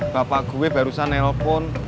bapak gue barusan nelpon